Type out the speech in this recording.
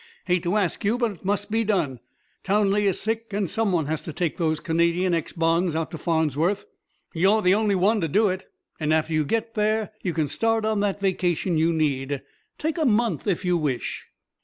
Hate to ask you, but it must be done. Townley is sick and someone has to take those Canadian Ex. bonds out to Farnsworth. You're the only one to do it, and after you get there, you can start on that vacation you need. Take a month if you wish."